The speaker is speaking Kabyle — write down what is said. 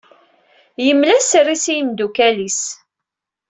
Yemla sser-is i imdukal-is.